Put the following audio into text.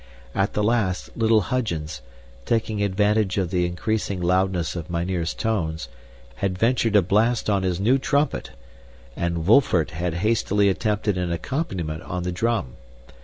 At the last, little Huygens, taking advantage of the increasing loudness of mynheer's tones, had ventured a blast on his new trumpet, and Wolfert had hastily attempted an accompaniment on the drum.